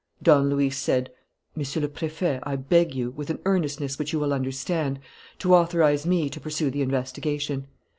Don Luis said: "Monsieur le Préfet, I beg you, with an earnestness which you will understand, to authorize me to pursue the investigation.